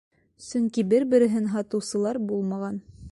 Сөнки бер-береһен һатыусылар булмаған.